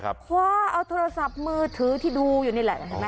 เพราะเอาโทรศัพท์มือถือที่ดูอยู่นี่แหละ